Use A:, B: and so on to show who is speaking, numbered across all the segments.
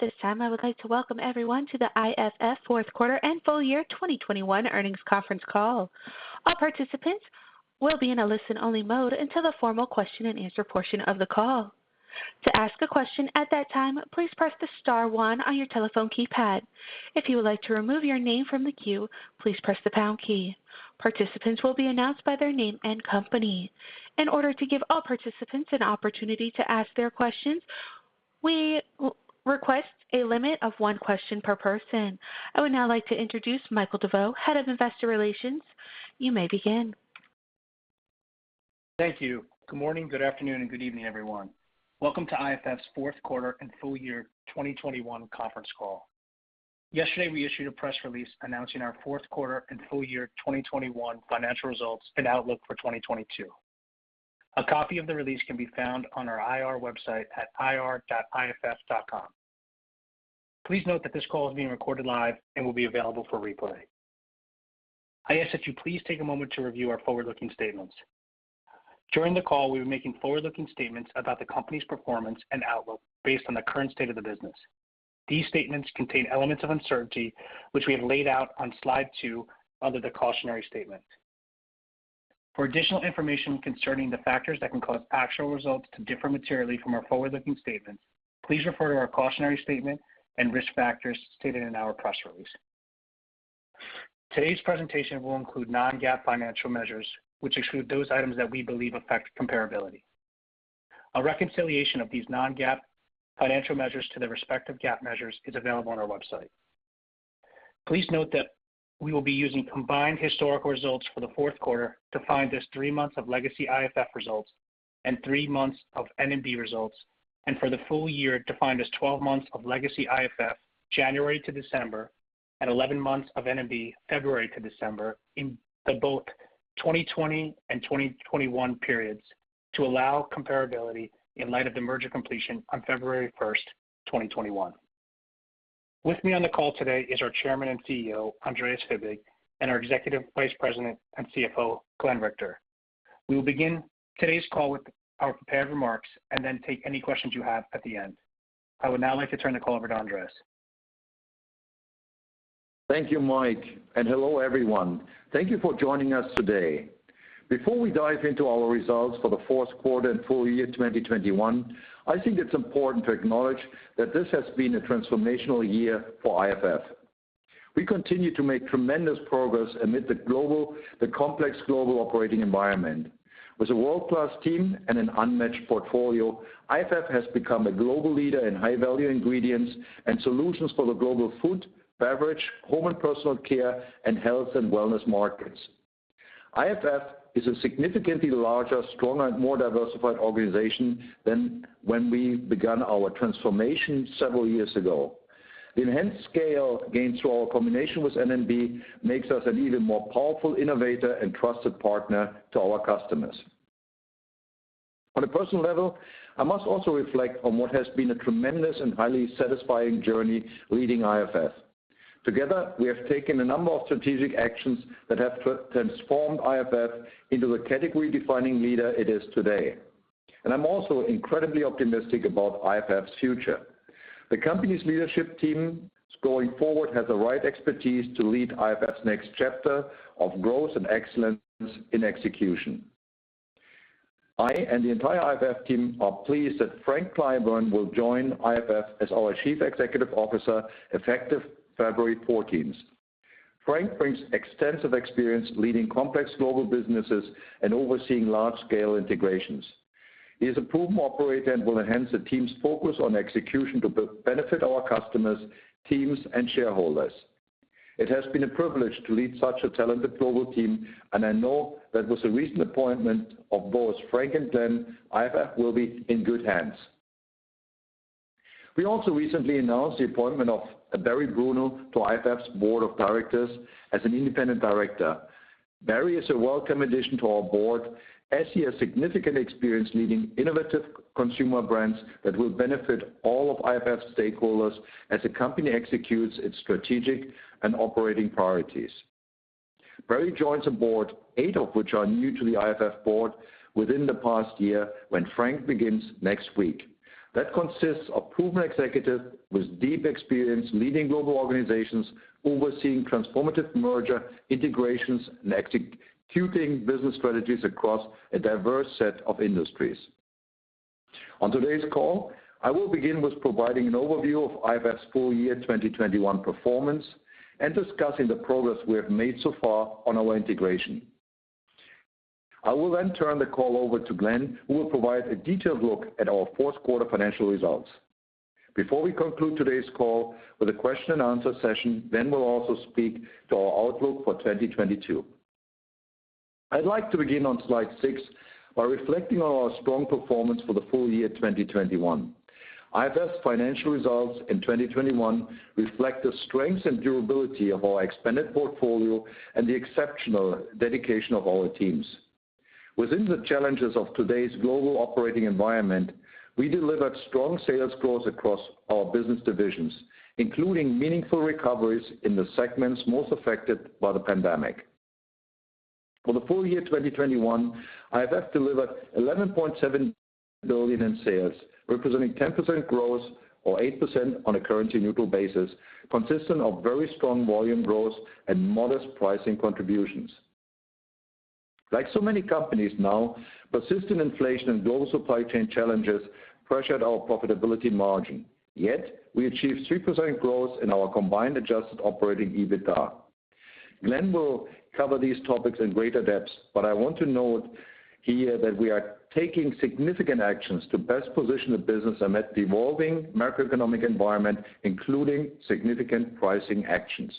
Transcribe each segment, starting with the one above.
A: At this time, I would like to welcome everyone to the IFF Fourth Quarter and Full Year 2021 earnings Conference Call. All participants will be in a listen-only mode until the formal question-and-answer portion of the call. To ask a question at that time, please press the star one on your telephone keypad. If you would like to remove your name from the queue, please press the pound key. Participants will be announced by their name and company. In order to give all participants an opportunity to ask their questions, we request a limit of one question per person. I would now like to introduce Michael DeVeau, Head of Investor Relations. You may begin.
B: Thank you. Good morning, good afternoon, and good evening, everyone. Welcome to IFF's Fourth Quarter and Full Year 2021 Conference Call. Yesterday, we issued a press release announcing our Fourth Quarter and Full Year 2021 financial results and outlook for 2022. A copy of the release can be found on our IR website at ir.iff.com. Please note that this call is being recorded live and will be available for replay. I ask that you please take a moment to review our forward-looking statements. During the call, we'll be making forward-looking statements about the company's performance and outlook based on the current state of the business. These statements contain elements of uncertainty, which we have laid out on slide two under the cautionary statement. For additional information concerning the factors that can cause actual results to differ materially from our forward-looking statements, please refer to our cautionary statement and risk factors stated in our press release. Today's presentation will include non-GAAP financial measures, which exclude those items that we believe affect comparability. A reconciliation of these non-GAAP financial measures to their respective GAAP measures is available on our website. Please note that we will be using combined historical results for the Fourth Quarter defined as 3 months of legacy IFF results and 3 months of N&B results, and for the Full Year defined as 12 months of legacy IFF, January to December, and 11 months of N&B, February to December, in both 2020 and 2021 periods to allow comparability in light of the merger completion on February 1, 2021. With me on the call today is our Chairman and CEO, Andreas Fibig, and our Executive Vice President and CFO, Glenn Richter. We will begin today's call with our prepared remarks, and then take any questions you have at the end. I would now like to turn the call over to Andreas.
C: Thank you, Mike, and hello, everyone. Thank you for joining us today. Before we dive into our results for the Fourth Quarter and Full Year 2021, I think it's important to acknowledge that this has been a transformational year for IFF. We continue to make tremendous progress amid the complex global operating environment. With a world-class team and an unmatched portfolio, IFF has become a global leader in high-value Ingredients and solutions for the global food, beverage, Home & Personal Care, and health and wellness markets. IFF is a significantly larger, stronger, and more diversified organization than when we began our transformation several years ago. The enhanced scale gained through our combination with N&B makes us an even more powerful innovator and trusted partner to our customers. On a personal level, I must also reflect on what has been a tremendous and highly satisfying journey leading IFF. Together, we have taken a number of strategic actions that have transformed IFF into the category-defining leader it is today, and I'm also incredibly optimistic about IFF's future. The company's leadership teams going forward has the right expertise to lead IFF's next chapter of growth and excellence in execution. I and the entire IFF team are pleased that Frank Clyburn will join IFF as our Chief Executive Officer effective February fourteenth. Frank brings extensive experience leading complex global businesses and overseeing large-scale integrations. He is a proven operator and will enhance the team's focus on execution to benefit our customers, teams, and shareholders. It has been a privilege to lead such a talented global team, and I know that with the recent appointment of both Frank and Glenn, IFF will be in good hands. We also recently announced the appointment of Barry Bruno to IFF's Board of Directors as an independent director. Barry is a welcome addition to our board as he has significant experience leading innovative consumer brands that will benefit all of IFF's stakeholders as the company executes its strategic and operating priorities. Barry joins a board, eight of which are new to the IFF board within the past year when Frank begins next week, that consists of proven executives with deep experience leading global organizations, overseeing transformative merger integrations, and executing business strategies across a diverse set of industries. On today's call, I will begin with providing an overview of IFF's Full Year 2021 performance and discussing the progress we have made so far on our integration. I will then turn the call over to Glenn, who will provide a detailed look at our Fourth Quarter financial results. Before we conclude today's call with a question-and-answer session, Glenn will also speak to our outlook for 2022. I'd like to begin on slide 6 by reflecting on our strong performance for the Full Year 2021. IFF's financial results in 2021 reflect the strength and durability of our expanded portfolio and the exceptional dedication of our teams. Within the challenges of today's global operating environment, we delivered strong sales growth across our business divisions, including meaningful recoveries in the segments most affected by the pandemic. For the Full Year 2021, IFF delivered $11.7 billion in sales, representing 10% growth or 8% on a currency-neutral basis, consisting of very strong volume growth and modest pricing contributions. Like so many companies now, persistent inflation and global supply chain challenges pressured our profitability margin, yet we achieved 3% growth in our combined Adjusted Operating EBITDA. Glenn will cover these topics in greater depth, but I want to note here that we are taking significant actions to best position the business amid the evolving macroeconomic environment, including significant pricing actions.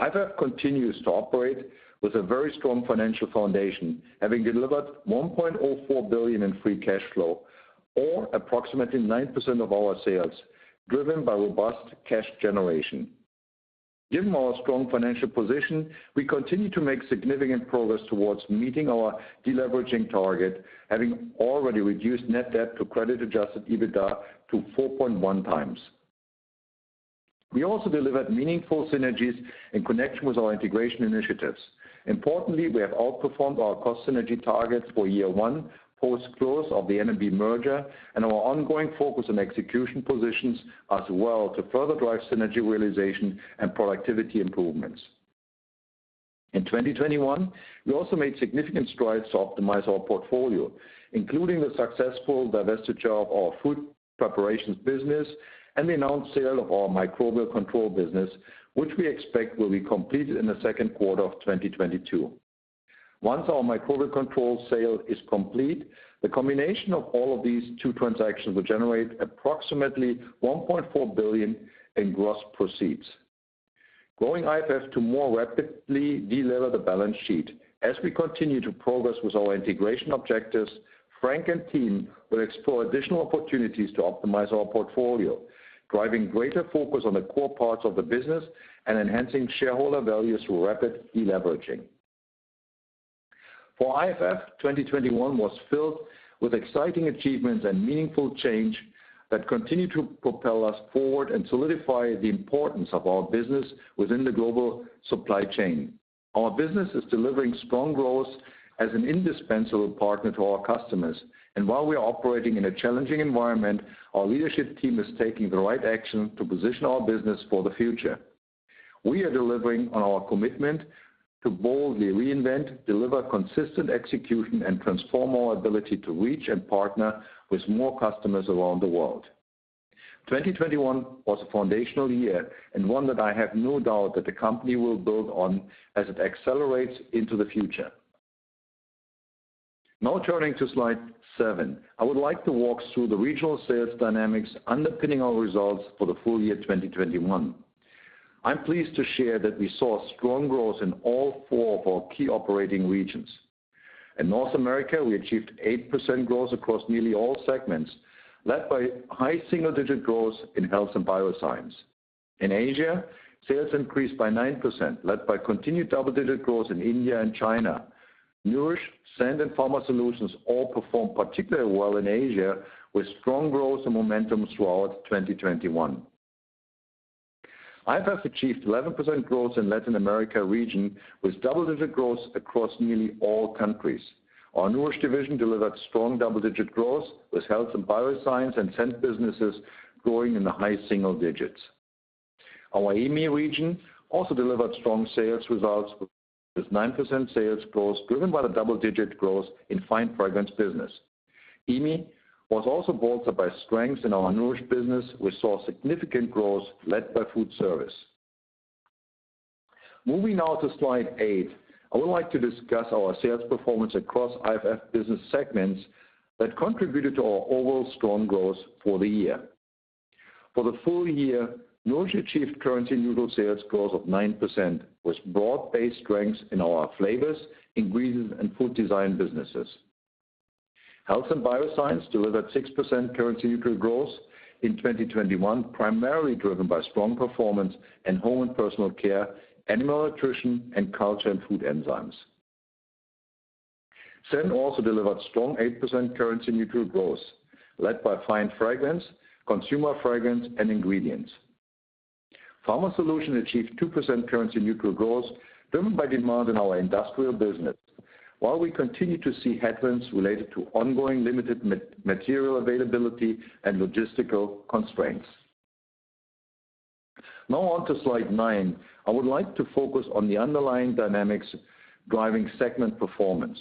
C: IFF continues to operate with a very strong financial foundation, having delivered $1.04 billion in free cash flow, or approximately 9% of our sales driven by robust cash generation. Given our strong financial position, we continue to make significant progress towards meeting our deleveraging target, having already reduced net debt to credit-Adjusted EBITDA to 4.1 times. We also delivered meaningful synergies in connection with our integration initiatives. Importantly, we have outperformed our cost synergy targets for year one, post-close of the N&B merger and our ongoing focus on execution positions us well to further drive synergy realization and productivity improvements. In 2021, we also made significant strides to optimize our portfolio, including the successful divestiture of our fruit preparations business and the announced sale of our Microbial Control business, which we expect will be completed in the second quarter of 2022. Once our Microbial Control sale is complete, the combination of all of these two transactions will generate approximately $1.4 billion in gross proceeds. Growing IFF to more rapidly delever the balance sheet as we continue to progress with our integration objectives, Frank and team will explore additional opportunities to optimize our portfolio, driving greater focus on the core parts of the business and enhancing shareholder value through rapid deleveraging. For IFF, 2021 was filled with exciting achievements and meaningful change that continue to propel us forward and solidify the importance of our business within the global supply chain. Our business is delivering strong growth as an indispensable partner to our customers. While we are operating in a challenging environment, our leadership team is taking the right action to position our business for the future. We are delivering on our commitment to boldly reinvent, deliver consistent execution, and transform our ability to reach and partner with more customers around the world. 2021 was a foundational year and one that I have no doubt that the company will build on as it accelerates into the future. Now turning to slide seven, I would like to walk through the regional sales dynamics underpinning our results for the Full Year 2021. I'm pleased to share that we saw strong growth in all four of our key operating regions. In North America, we achieved 8% growth across nearly all segments, led by high single-digit growth in Health & Biosciences. In Asia, sales increased by 9%, led by continued double-digit growth in India and China. Nourish, Scent, and Pharma Solutions all performed particularly well in Asia, with strong growth and momentum throughout 2021. IFF achieved 11% growth in Latin America region with double-digit growth across nearly all countries. Our Nourish division delivered strong double-digit growth with Health & Biosciences and Scent businesses growing in the high single digits. Our EMEA region also delivered strong sales results with 9% sales growth driven by the double-digit growth in Fine Fragrance business. EMEA was also bolstered by strength in our Nourish business, which saw significant growth led by food service. Moving now to slide 8, I would like to discuss our sales performance across IFF business segments that contributed to our overall strong growth for the year. For the Full Year, Nourish achieved currency-neutral sales growth of 9%, with broad-based strengths in our Flavors, Ingredients, and food design businesses. Health & Biosciences delivered 6% currency-neutral growth in 2021, primarily driven by strong performance in Home & Personal Care, Animal Nutrition, and Cultures & Food Enzymes. Scent also delivered strong 8% currency-neutral growth led by Fine Fragrance, Consumer Fragrance, and Ingredients. Pharma Solutions achieved 2% currency-neutral growth driven by demand in our Industrial business while we continue to see headwinds related to ongoing limited material availability and logistical constraints. Now on to slide 9. I would like to focus on the underlying dynamics driving segment performance.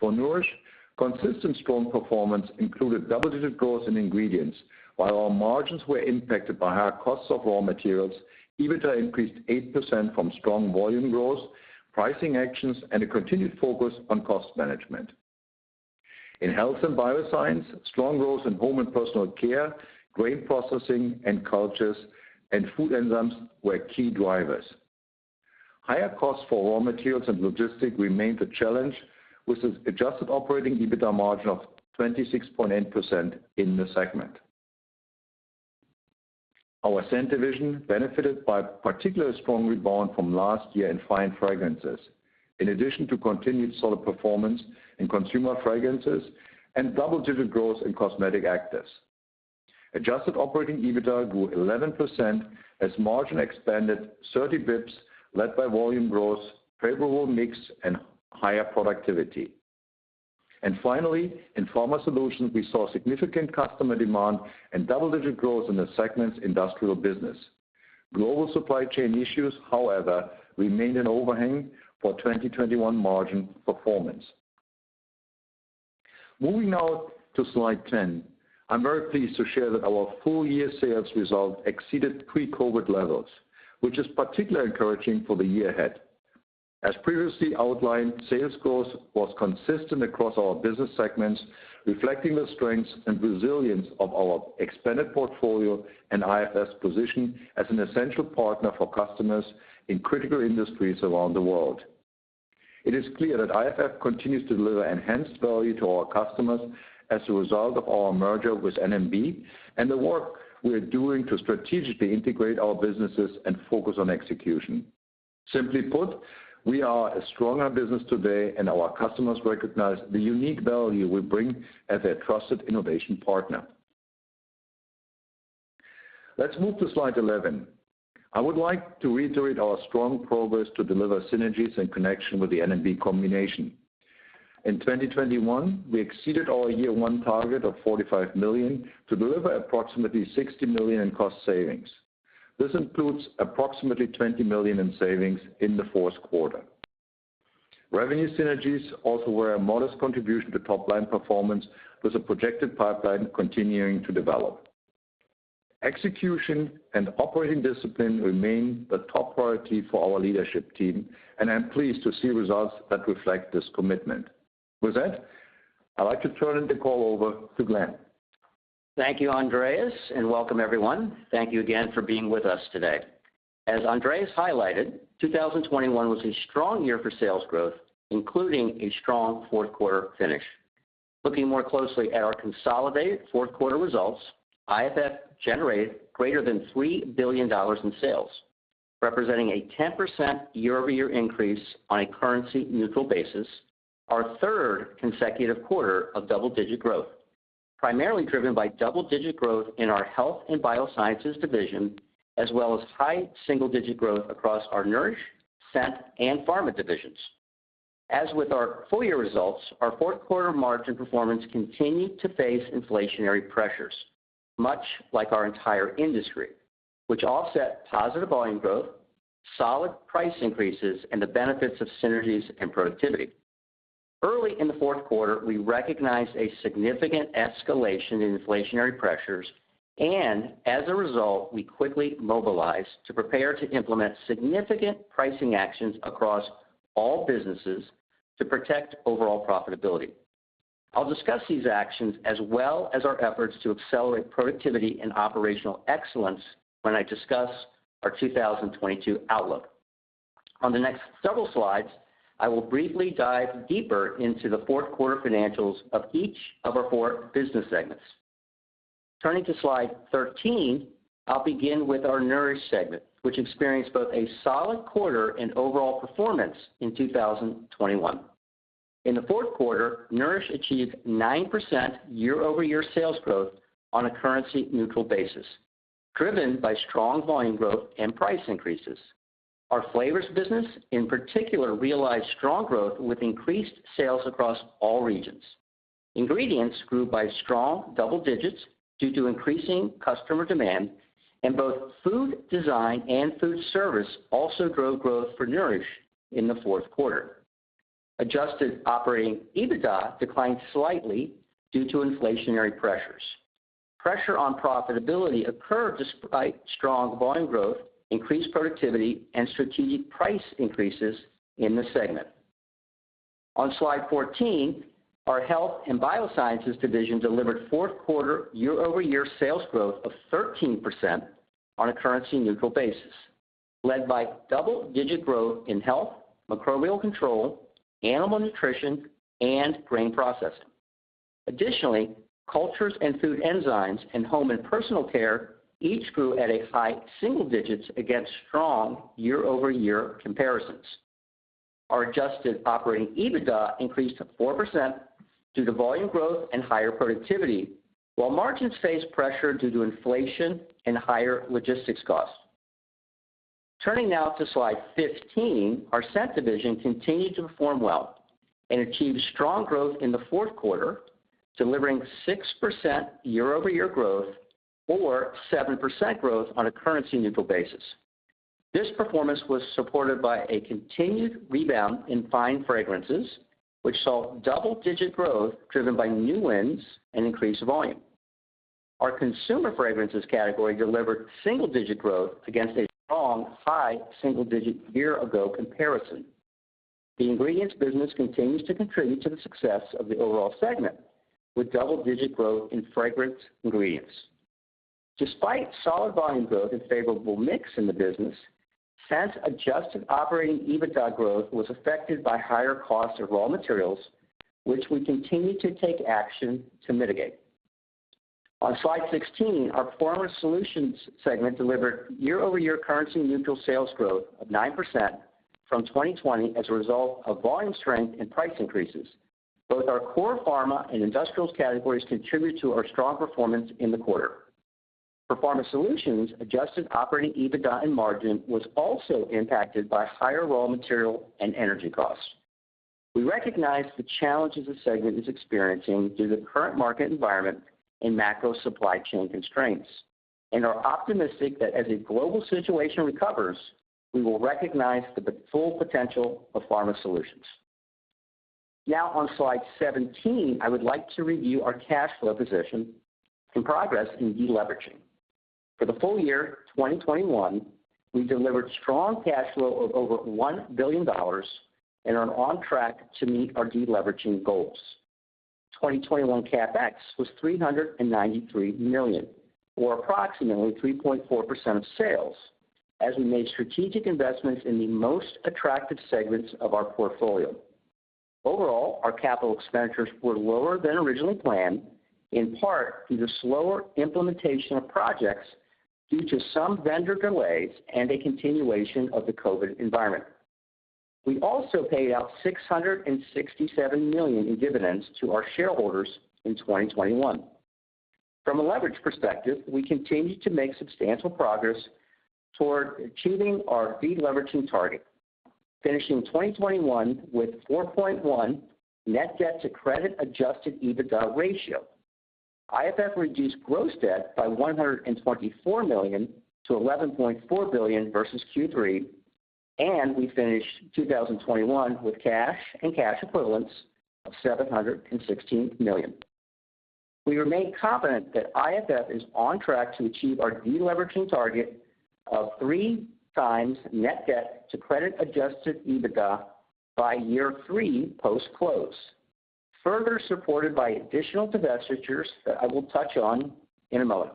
C: For Nourish, consistent strong performance included double-digit growth in Ingredients, while our margins were impacted by higher costs of raw materials. EBITDA increased 8% from strong volume growth, pricing actions, and a continued focus on cost management. In Health & Biosciences, strong growth in Home & Personal Care, Grain Processing, and Cultures & Food Enzymes were key drivers. Higher costs for raw materials and logistics remained a challenge, with an Adjusted Operating EBITDA margin of 26.8% in the segment. Our Scent division benefited by a particularly strong rebound from last year in Fine Fragrances. In addition to continued solid performance in Consumer Fragrances and double-digit growth in Cosmetic actives. Adjusted Operating EBITDA grew 11% as margin expanded 30 bps, led by volume growth, favorable mix, and higher productivity. Finally, in Pharma Solutions, we saw significant customer demand and double-digit growth in the segment's Industrial business. Global supply chain issues, however, remained an overhang for 2021 margin performance. Moving now to slide 10, I'm very pleased to share that our Full Year sales result exceeded pre-COVID levels, which is particularly encouraging for the year ahead. As previously outlined, sales growth was consistent across our business segments, reflecting the strengths and resilience of our expanded portfolio and IFF's position as an essential partner for customers in critical industries around the world. It is clear that IFF continues to deliver enhanced value to our customers as a result of our merger with N&B and the work we're doing to strategically integrate our businesses and focus on execution. Simply put, we are a stronger business today and our customers recognize the unique value we bring as a trusted innovation partner. Let's move to slide 11. I would like to reiterate our strong progress to deliver synergies in connection with the N&B combination. In 2021, we exceeded our year one target of $45 million to deliver approximately $60 million in cost savings. This includes approximately $20 million in savings in the Fourth Quarter. Revenue synergies also were a modest contribution to top-line performance, with a projected pipeline continuing to develop. Execution and operating discipline remain the top priority for our leadership team, and I'm pleased to see results that reflect this commitment. With that, I'd like to turn the call over to Glenn.
D: Thank you, Andreas, and welcome everyone. Thank you again for being with us today. As Andreas highlighted, 2021 was a strong year for sales growth, including a strong Fourth Quarter finish. Looking more closely at our consolidated Fourth Quarter results, IFF generated greater than $3 billion in sales, representing a 10% year-over-year increase on a currency-neutral basis. Our third consecutive quarter of double-digit growth, primarily driven by double-digit growth in our Health & Biosciences division, as well as high single-digit growth across our Nourish, Scent, and Pharma divisions. As with our Full Year results, our Fourth Quarter margin performance continued to face inflationary pressures, much like our entire industry, which offset positive volume growth, solid price increases, and the benefits of synergies and productivity. Early in the Fourth Quarter, we recognized a significant escalation in inflationary pressures, and as a result, we quickly mobilized to prepare to implement significant pricing actions across all businesses to protect overall profitability. I'll discuss these actions as well as our efforts to accelerate productivity and operational excellence when I discuss our 2022 outlook. On the next several slides, I will briefly dive deeper into the Fourth Quarter financials of each of our 4 business segments. Turning to slide 13, I'll begin with our Nourish segment, which experienced both a solid quarter and overall performance in 2021. In the Fourth Quarter, Nourish achieved 9% year-over-year sales growth on a currency-neutral basis, driven by strong volume growth and price increases. Our Flavors business, in particular, realized strong growth with increased sales across all regions. Ingredients grew by strong double digits due to increasing customer demand, and both Food Design and Food Service also drove growth for Nourish in the Fourth Quarter. Adjusted Operating EBITDA declined slightly due to inflationary pressures. Pressure on profitability occurred despite strong volume growth, increased productivity, and strategic price increases in the segment. On slide 14, our Health & Biosciences division delivered Fourth Quarter year-over-year sales growth of 13% on a currency-neutral basis, led by double-digit growth in health, Microbial Control, animal nutrition, and Grain Processing. Additionally, Cultures & Food Enzymes in Home & Personal Care each grew at a high single digits against strong year-over-year comparisons. Our Adjusted Operating EBITDA increased to 4% due to volume growth and higher productivity, while margins faced pressure due to inflation and higher logistics costs. Turning now to slide 15, our Scent division continued to perform well and achieved strong growth in the Fourth Quarter, delivering 6% year-over-year growth or 7% growth on a currency-neutral basis. This performance was supported by a continued rebound in Fine Fragrances, which saw double-digit growth driven by new wins and increased volume. Our Consumer Fragrances category delivered single-digit growth against a strong high single-digit year-ago comparison. The Ingredients business continues to contribute to the success of the overall segment with double-digit growth in fragrance Ingredients. Despite solid volume growth and favorable mix in the business, Scent Adjusted Operating EBITDA growth was affected by higher costs of raw materials, which we continue to take action to mitigate. On slide 16, our Pharma Solutions segment delivered year-over-year currency-neutral sales growth of 9% from 2020 as a result of volume strength and price increases. Both our core Pharma and Industrials categories contribute to our strong performance in the quarter. For Pharma Solutions, Adjusted Operating EBITDA and margin was also impacted by higher raw material and energy costs. We recognize the challenges the segment is experiencing due to the current market environment and macro supply chain constraints and are optimistic that as the global situation recovers, we will recognize the full potential of Pharma Solutions. Now on slide 17, I would like to review our cash flow position and progress in deleveraging. For the Full Year 2021, we delivered strong cash flow of over $1 billion and are on track to meet our deleveraging goals. 2021 CapEx was $393 million, or approximately 3.4% of sales as we made strategic investments in the most attractive segments of our portfolio. Overall, our capital expenditures were lower than originally planned, in part due to slower implementation of projects due to some vendor delays and a continuation of the COVID environment. We also paid out $667 million in dividends to our shareholders in 2021. From a leverage perspective, we continue to make substantial progress toward achieving our deleveraging target, finishing 2021 with 4.1 net debt to credit-Adjusted EBITDA ratio. IFF reduced gross debt by $124 million to $11.4 billion versus Q3, and we finished 2021 with cash and cash equivalents of $716 million. We remain confident that IFF is on track to achieve our deleveraging target of 3x net debt to credit-Adjusted EBITDA by year three post-close. Further supported by additional divestitures that I will touch on in a moment.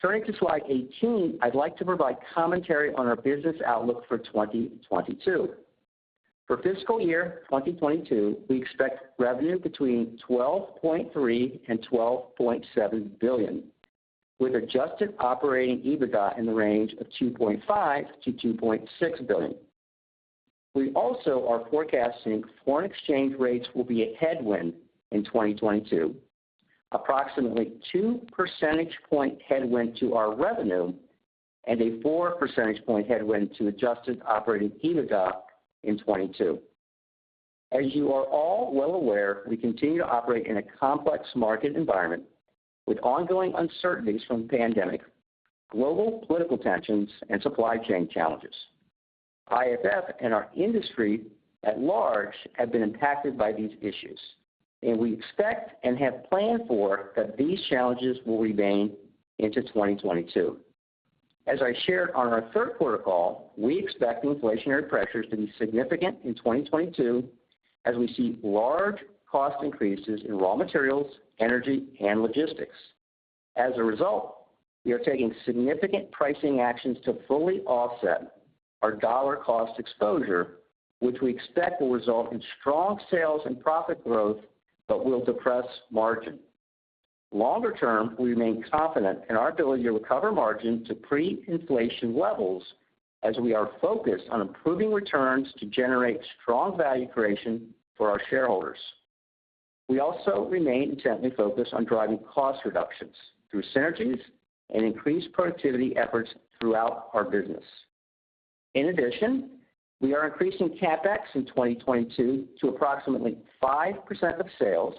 D: Turning to slide 18, I'd like to provide commentary on our business outlook for 2022. For fiscal year 2022, we expect revenue between $12.3 billion and $12.7 billion, with Adjusted Operating EBITDA in the range of $2.5 billion to $2.6 billion. We also are forecasting foreign exchange rates will be a headwind in 2022, approximately 2 percentage point headwind to our revenue and a 4 percentage point headwind to Adjusted Operating EBITDA in 2022. As you are all well aware, we continue to operate in a complex market environment with ongoing uncertainties from the pandemic, global political tensions, and supply chain challenges. IFF and our industry at large have been impacted by these issues, and we expect and have planned for these challenges will remain into 2022. As I shared on our third quarter call, we expect inflationary pressures to be significant in 2022 as we see large cost increases in raw materials, energy, and logistics. As a result, we are taking significant pricing actions to fully offset our dollar cost exposure, which we expect will result in strong sales and profit growth but will depress margin. Longer term, we remain confident in our ability to recover margin to pre-inflation levels as we are focused on improving returns to generate strong value creation for our shareholders. We also remain intently focused on driving cost reductions through synergies and increased productivity efforts throughout our business. In addition, we are increasing CapEx in 2022 to approximately 5% of sales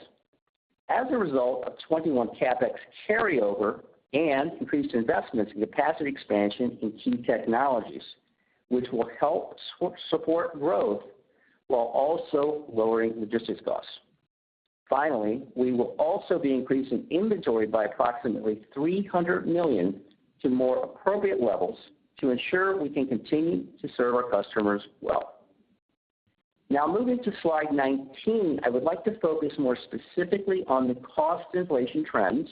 D: as a result of 2021 CapEx carryover and increased investments in capacity expansion in key technologies, which will help support growth while also lowering logistics costs. Finally, we will also be increasing inventory by approximately $300 million to more appropriate levels to ensure we can continue to serve our customers well. Now moving to slide 19, I would like to focus more specifically on the cost inflation trends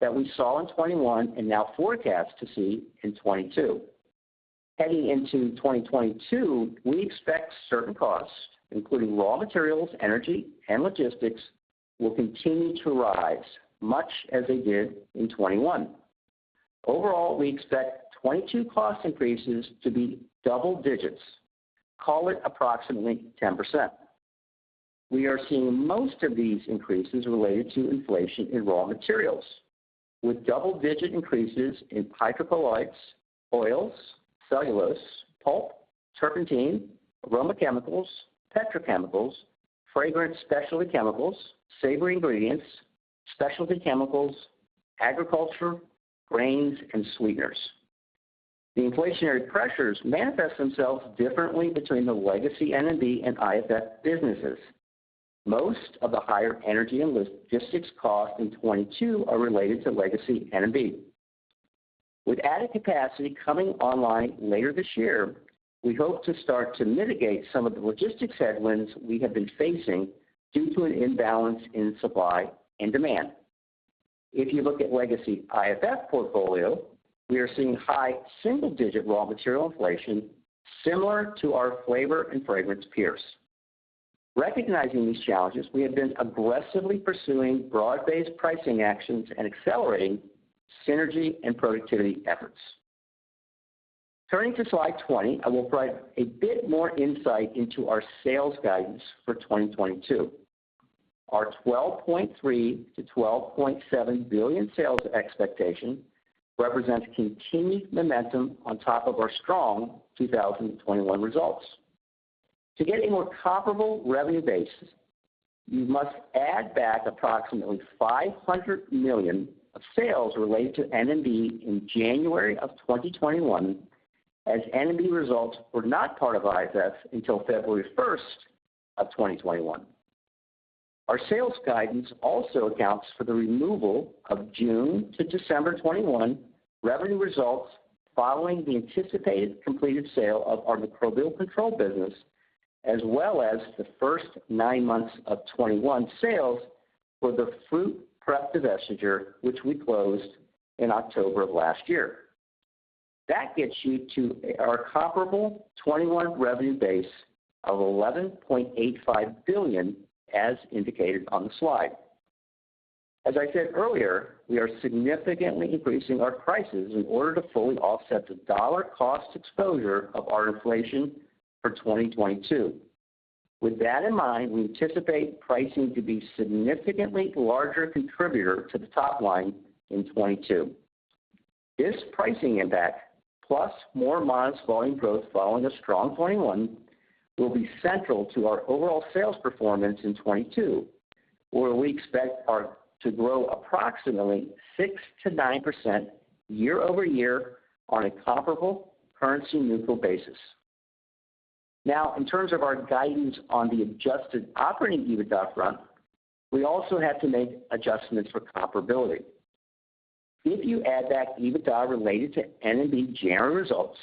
D: that we saw in 2021 and now forecast to see in 2022. Heading into 2022, we expect certain costs, including raw materials, energy, and logistics, will continue to rise, much as they did in 2021. Overall, we expect 2022 cost increases to be double digits. Call it approximately 10%. We are seeing most of these increases related to inflation in raw materials with double-digit increases in hydrocolloids, oils, cellulose, pulp, turpentine, aroma chemicals, petrochemicals, fragrance specialty chemicals, savory Ingredients, specialty chemicals, agriculture, grains, and sweeteners. The inflationary pressures manifest themselves differently between the legacy N&B and IFF businesses. Most of the higher energy and logistics costs in 2022 are related to legacy N&B. With added capacity coming online later this year, we hope to start to mitigate some of the logistics headwinds we have been facing due to an imbalance in supply and demand. If you look at legacy IFF portfolio, we are seeing high single-digit raw material inflation similar to our flavor and fragrance peers. Recognizing these challenges, we have been aggressively pursuing broad-based pricing actions and accelerating synergy and productivity efforts. Turning to slide 20, I will provide a bit more insight into our sales guidance for 2022. Our $12.3 billion-$12.7 billion sales expectation represents continued momentum on top of our strong 2021 results. To get a more comparable revenue base, you must add back approximately $500 million of sales related to N&B in January 2021, as N&B results were not part of IFF until February 1, 2021. Our sales guidance also accounts for the removal of June-December 2021 revenue results following the anticipated completed sale of our Microbial Control business, as well as the first nine months of 2021 sales for the Fruit Preparations divestiture, which we closed in October of last year. That gets you to our comparable 2021 revenue base of $11.85 billion, as indicated on the slide. As I said earlier, we are significantly increasing our prices in order to fully offset the dollar cost exposure of our inflation for 2022. With that in mind, we anticipate pricing to be significantly larger contributor to the top line in 2022. This pricing impact, plus more modest volume growth following a strong 2021, will be central to our overall sales performance in 2022, where we expect our sales to grow approximately 6%-9% year-over-year on a comparable currency-neutral basis. Now, in terms of our guidance on the Adjusted Operating EBITDA front, we also have to make adjustments for comparability. If you add back EBITDA related to N&B January results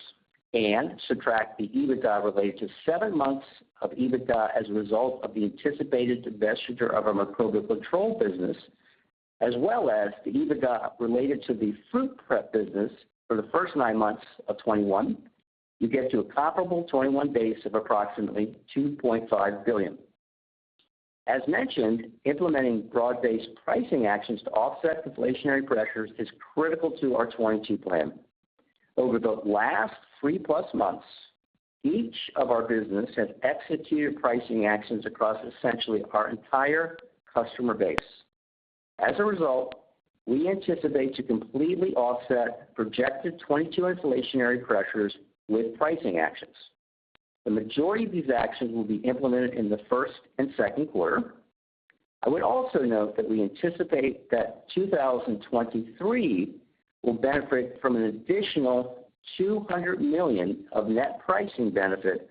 D: and subtract the EBITDA related to 7 months of EBITDA as a result of the anticipated divestiture of our Microbial Control business, as well as the EBITDA related to the Fruit Preparations business for the first 9 months of 2021, you get to a comparable 2021 base of approximately $2.5 billion. Implementing broad-based pricing actions to offset inflationary pressures is critical to our 2022 plan. Over the last 3+ months, each of our business has executed pricing actions across essentially our entire customer base. As a result, we anticipate to completely offset projected 2022 inflationary pressures with pricing actions. The majority of these actions will be implemented in the first and second quarter. I would also note that we anticipate that 2023 will benefit from an additional $200 million of net pricing benefit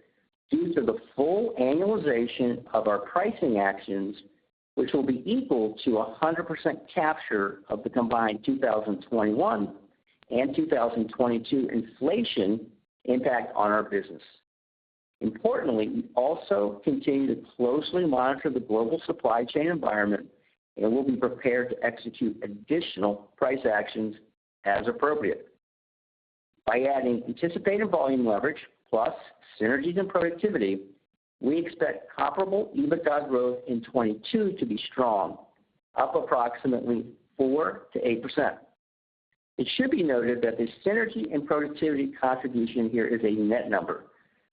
D: due to the full annualization of our pricing actions, which will be equal to 100% capture of the combined 2021 and 2022 inflation impact on our business. Importantly, we also continue to closely monitor the global supply chain environment and will be prepared to execute additional price actions as appropriate. By adding anticipated volume leverage plus synergies and productivity, we expect comparable EBITDA growth in 2022 to be strong, up approximately 4%-8%. It should be noted that the synergy and productivity contribution here is a net number,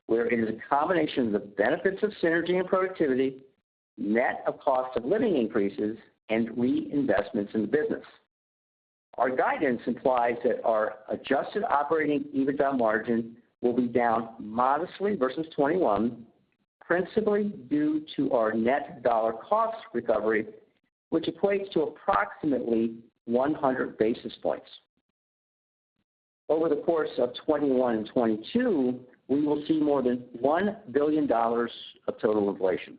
D: where it is a combination of the benefits of synergy and productivity, net of cost of living increases, and reinvestments in the business. Our guidance implies that our Adjusted Operating EBITDA margin will be down modestly versus 2021, principally due to our net dollar cost recovery, which equates to approximately 100 basis points. Over the course of 2021 and 2022, we will see more than $1 billion of total inflation.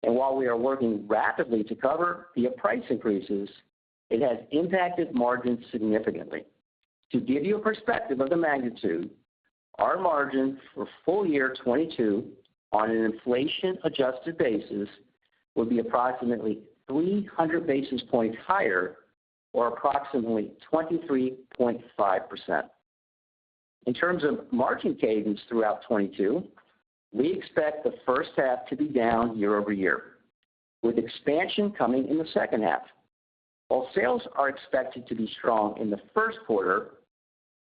D: While we are working rapidly to cover via price increases, it has impacted margins significantly. To give you a perspective of the magnitude, our margin for Full Year 2022 on an inflation-adjusted basis will be approximately 300 basis points higher or approximately 23.5%. In terms of margin cadence throughout 2022, we expect the first half to be down year-over-year, with expansion coming in the second half. While sales are expected to be strong in the first quarter,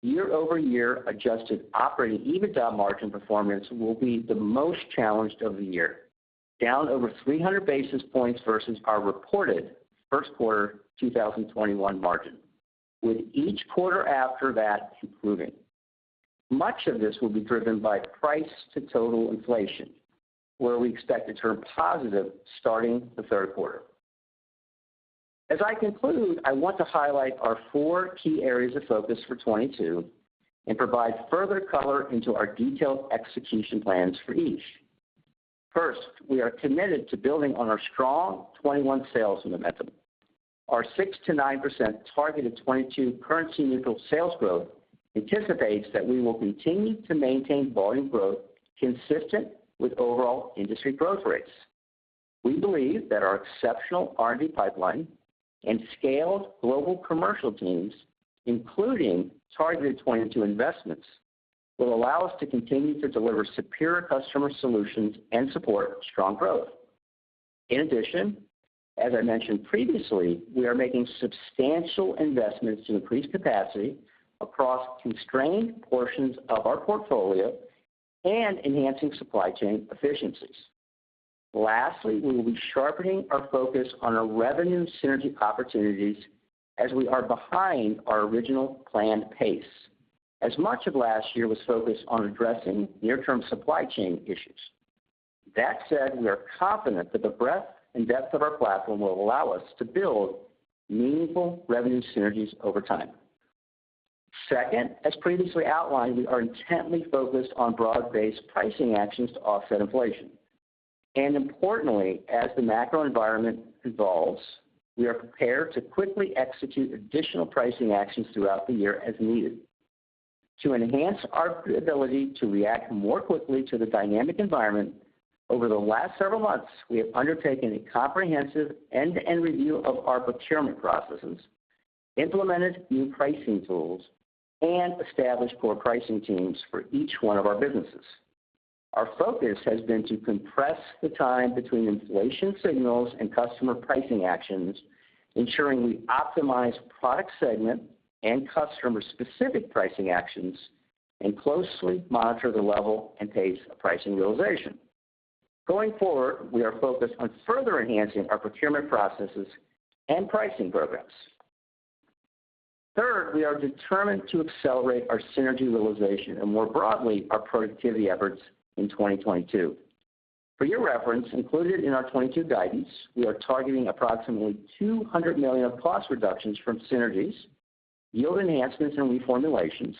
D: year-over-year Adjusted Operating EBITDA margin performance will be the most challenged of the year, down over 300 basis points versus our reported first quarter 2021 margin, with each quarter after that improving. Much of this will be driven by price-to-total inflation, where we expect to turn positive starting the third quarter. As I conclude, I want to highlight our four key areas of focus for 2022 and provide further color into our detailed execution plans for each. First, we are committed to building on our strong 2021 sales momentum. Our 6%-9% targeted 2022 currency-neutral sales growth anticipates that we will continue to maintain volume growth consistent with overall industry growth rates. We believe that our exceptional R&D pipeline and scaled global commercial teams, including targeted 2022 investments, will allow us to continue to deliver superior customer solutions and support strong growth. In addition, as I mentioned previously, we are making substantial investments to increase capacity across constrained portions of our portfolio and enhancing supply chain efficiencies. Lastly, we will be sharpening our focus on our revenue synergy opportunities as we are behind our original planned pace, as much of last year was focused on addressing near-term supply chain issues. That said, we are confident that the breadth and depth of our platform will allow us to build meaningful revenue synergies over time. Second, as previously outlined, we are intently focused on broad-based pricing actions to offset inflation. Importantly, as the macro environment evolves, we are prepared to quickly execute additional pricing actions throughout the year as needed. To enhance our ability to react more quickly to the dynamic environment, over the last several months, we have undertaken a comprehensive end-to-end review of our procurement processes, implemented new pricing tools, and established core pricing teams for each one of our businesses. Our focus has been to compress the time between inflation signals and customer pricing actions, ensuring we optimize product segment and customer-specific pricing actions, and closely monitor the level and pace of pricing realization. Going forward, we are focused on further enhancing our procurement processes and pricing programs. Third, we are determined to accelerate our synergy realization and more broadly, our productivity efforts in 2022. For your reference, included in our 2022 guidance, we are targeting approximately $200 million of cost reductions from synergies, yield enhancements and reformulations,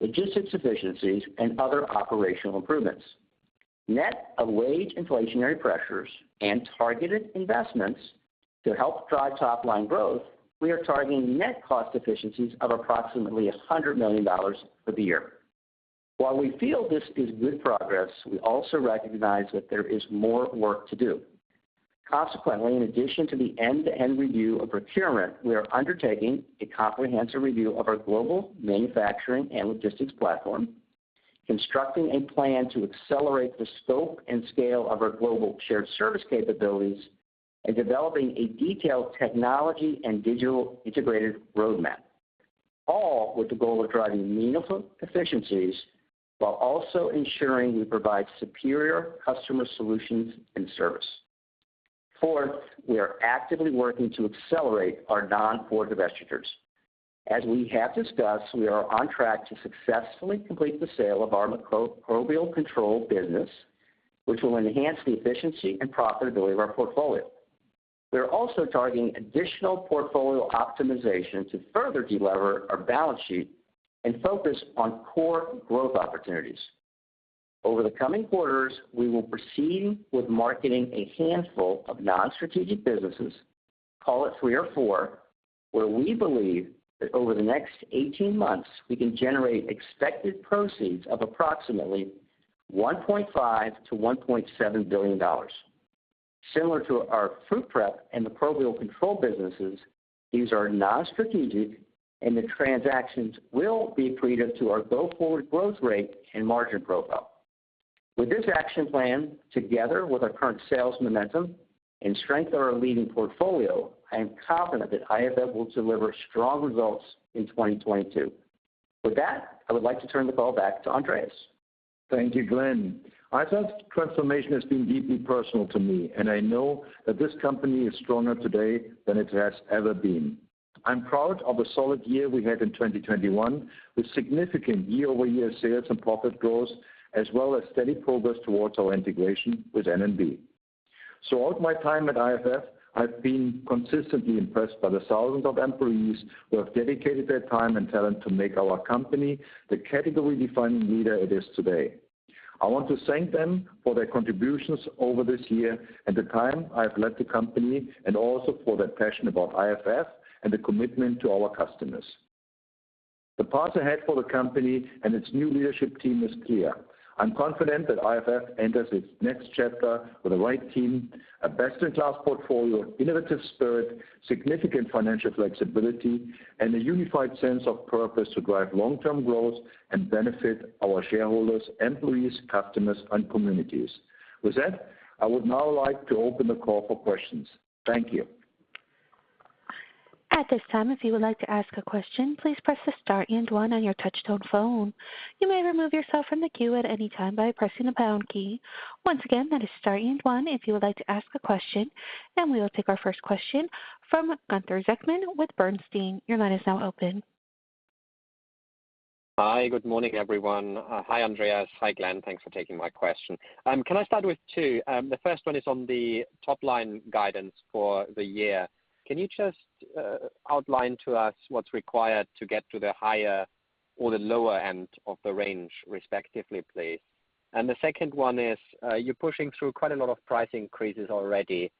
D: logistics efficiencies, and other operational improvements. Net of wage inflationary pressures and targeted investments to help drive top line growth, we are targeting net cost efficiencies of approximately $100 million for the year. While we feel this is good progress, we also recognize that there is more work to do. Consequently, in addition to the end-to-end review of procurement, we are undertaking a comprehensive review of our global manufacturing and logistics platform, constructing a plan to accelerate the scope and scale of our Global Shared Service capabilities, and developing a detailed technology and digital integrated roadmap, all with the goal of driving meaningful efficiencies while also ensuring we provide superior customer solutions and service. Fourth, we are actively working to accelerate our non-core divestitures. As we have discussed, we are on track to successfully complete the sale of our Microbial Control business, which will enhance the efficiency and profitability of our portfolio. We're also targeting additional portfolio optimization to further delever our balance sheet and focus on core growth opportunities. Over the coming quarters, we will proceed with marketing a handful of non-strategic businesses, call it three or four, where we believe that over the next 18 months, we can generate expected proceeds of approximately $1.5 billion-$1.7 billion. Similar to our fruit prep and Microbial Control businesses, these are non-strategic, and the transactions will be accretive to our go-forward growth rate and margin profile. With this action plan together with our current sales momentum and strength of our leading portfolio, I am confident that IFF will deliver strong results in 2022. With that, I would like to turn the call back to Andreas.
C: Thank you, Glenn. I think transformation has been deeply personal to me, and I know that this company is stronger today than it has ever been. I'm proud of the solid year we had in 2021, with significant year-over-year sales and profit growth, as well as steady progress towards our integration with N&B. Throughout my time at IFF, I've been consistently impressed by the thousands of employees who have dedicated their time and talent to make our company the category-defining leader it is today. I want to thank them for their contributions over this year and the time I have led the company, and also for their passion about IFF and the commitment to our customers. The path ahead for the company and its new leadership team is clear. I'm confident that IFF enters its next chapter with the right team, a best-in-class portfolio, innovative spirit, significant financial flexibility, and a unified sense of purpose to drive long-term growth and benefit our shareholders, employees, customers, and communities. With that, I would now like to open the call for questions. Thank you.
A: At this time, if you would like to ask a question, please press the star and one on your touch tone phone. You may remove yourself from the queue at any time by pressing the pound key. Once again, that is star and one if you would like to ask a question, and we will take our first question from Gunther Zechmann with Bernstein. Your line is now open.
E: Hi, good morning, everyone. Hi, Andreas. Hi, Glenn. Thanks for taking my question. Can I start with two? The first one is on the top line guidance for the year. Can you just outline to us what's required to get to the higher or the lower end of the range, respectively, please? The second one is, you're pushing through quite a lot of price increases already,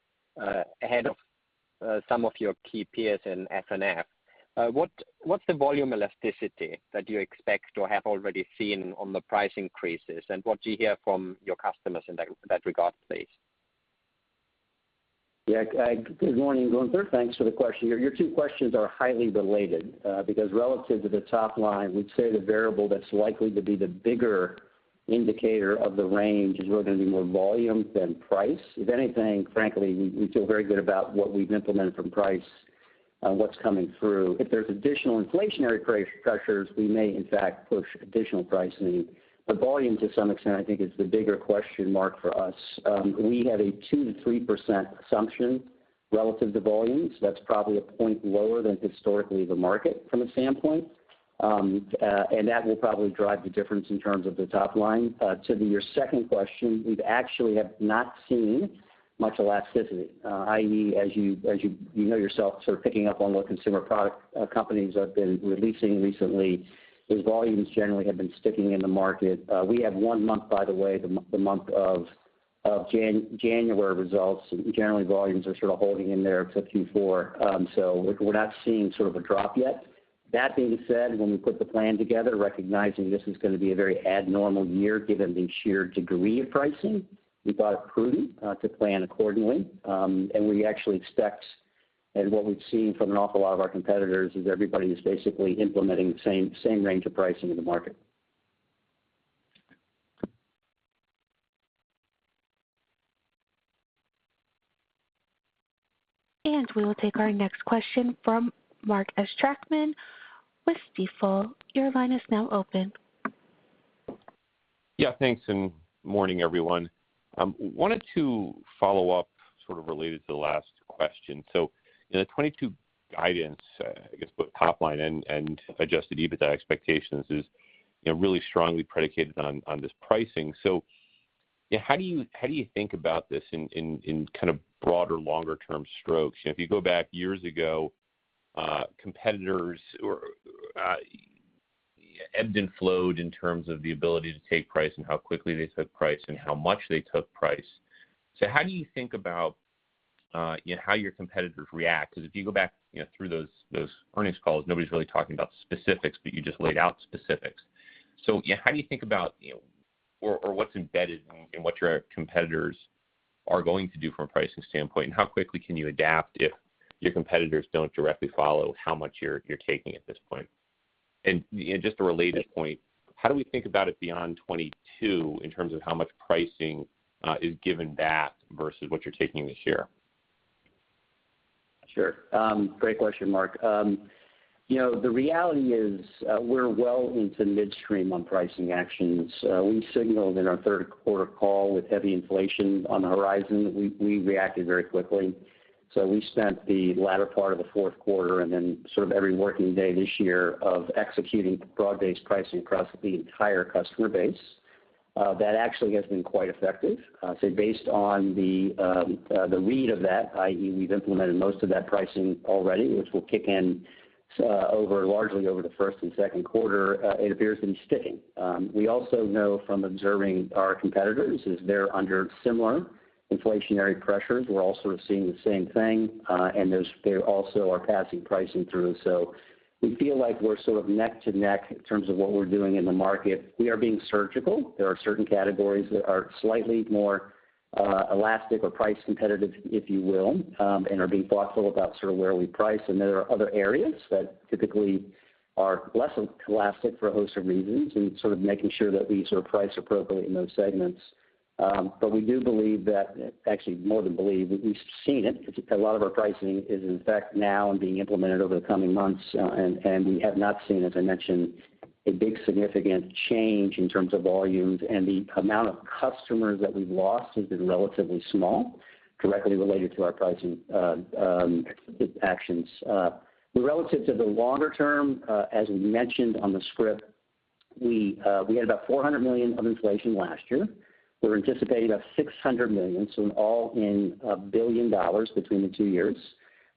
E: ahead of, some of your key peers in F&F. What's the volume elasticity that you expect or have already seen on the price increases, and what do you hear from your customers in that regard, please?
D: Yeah. Good morning, Gunther. Thanks for the question. Your two questions are highly related, because relative to the top line, we'd say the variable that's likely to be the bigger indicator of the range is whether it's gonna be more volume than price. If anything, frankly, we feel very good about what we've implemented from price, what's coming through. If there's additional inflationary pressures, we may in fact push additional pricing. Volume, to some extent, I think is the bigger question mark for us. We have a 2%-3% assumption relative to volumes. That's probably a point lower than historically the market from a standpoint. That will probably drive the difference in terms of the top line. To your second question, we actually have not seen much elasticity. i.e., you know yourself, sort of picking up on what consumer product companies have been releasing recently, those volumes generally have been sticking in the market. We have one month, by the way, the month of January results. Generally, volumes are sort of holding in there except Q4. We're not seeing sort of a drop yet. That being said, when we put the plan together, recognizing this is gonna be a very abnormal year given the sheer degree of pricing, we thought it prudent to plan accordingly. We actually expect, and what we've seen from an awful lot of our competitors, is everybody is basically implementing the same range of pricing in the market.
A: We will take our next question from Mark Astrachan with Stifel. Your line is now open.
F: Yeah, thanks and morning, everyone. I wanted to follow up sort of related to the last question. You know, the 2022 guidance, I guess, both top line and Adjusted EBITDA expectations is, you know, really strongly predicated on this pricing. Yeah, how do you think about this in kind of broader, longer term strokes? You know, if you go back years ago, competitors ebbed and flowed in terms of the ability to take price and how quickly they took price and how much they took price. How do you think about, you know, how your competitors react? Because if you go back, you know, through those earnings calls, nobody's really talking about specifics, but you just laid out specifics. Yeah, how do you think about, you know, or what's embedded in what your competitors are going to do from a pricing standpoint, and how quickly can you adapt if your competitors don't directly follow how much you're taking at this point? You know, just a related point, how do we think about it beyond 2022 in terms of how much pricing is given back versus what you're taking this year?
D: Sure. Great question, Mark. You know, the reality is, we're well into midstream on pricing actions. We signaled in our third quarter call with heavy inflation on the horizon. We reacted very quickly. We spent the latter part of the Fourth Quarter and then sort of every working day this year of executing broad-based pricing across the entire customer base. That actually has been quite effective. Based on the read of that, i.e., we've implemented most of that pricing already, which will kick in over and largely over the first and second quarter, it appears to be sticking. We also know from observing our competitors, they're under similar inflationary pressures. We're all sort of seeing the same thing, and they also are passing pricing through. We feel like we're sort of neck to neck in terms of what we're doing in the market. We are being surgical. There are certain categories that are slightly more elastic or price competitive, if you will, and are being thoughtful about sort of where we price. There are other areas that typically are less elastic for a host of reasons and sort of making sure that we sort of price appropriately in those segments. We do believe that, actually more than believe, we've seen it. A lot of our pricing is in effect now and being implemented over the coming months. We have not seen, as I mentioned, a big significant change in terms of volumes. The amount of customers that we've lost has been relatively small, directly related to our pricing actions. Relative to the longer term, as we mentioned on the script, we had about $400 million of inflation last year. We're anticipating about $600 million, so an all-in $1 billion between the two years.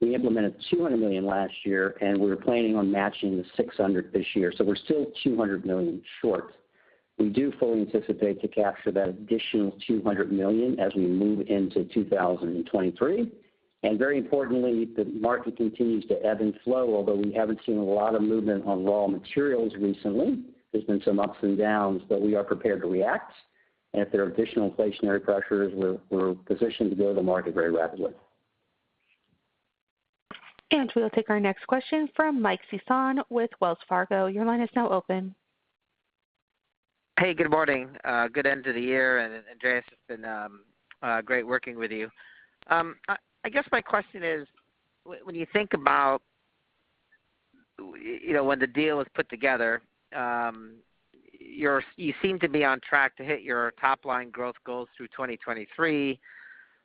D: We implemented $200 million last year, and we're planning on matching the $600 million this year. We're still $200 million short. We do fully anticipate to capture that additional $200 million as we move into 2023. Very importantly, the market continues to ebb and flow, although we haven't seen a lot of movement on raw materials recently. There's been some ups and downs, but we are prepared to react. If there are additional inflationary pressures, we're positioned to go to the market very rapidly.
A: We will take our next question from Michael Sison with Wells Fargo. Your line is now open.
G: Hey, good morning. Good end of the year, and Andreas, it's been great working with you. I guess my question is, when you think about, you know, when the deal is put together, you seem to be on track to hit your top line growth goals through 2023.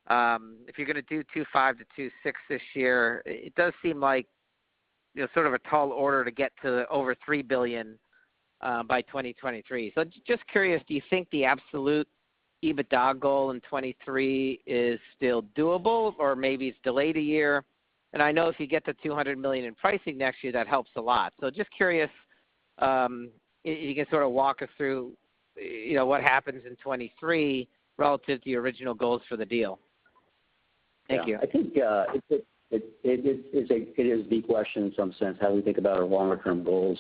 G: If you're gonna do 2.5%-2.6% this year, it does seem like, you know, sort of a tall order to get to over $3 billion by 2023. Just curious, do you think the absolute EBITDA goal in 2023 is still doable or maybe it's delayed a year? I know if you get to $200 million in pricing next year, that helps a lot. Just curious, if you can sort of walk us through, you know, what happens in 2023 relative to your original goals for the deal. Thank you.
D: Yeah. I think it is the question in some sense, how do we think about our longer term goals.